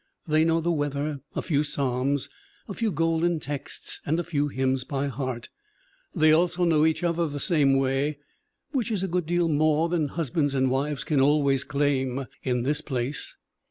They know the weather, a few psalms, a few golden texts and a few hymns by heart. They also know each other the same way, which is a good deal more than hus bands and wives can always claim in this place.